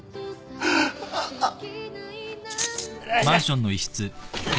あっ。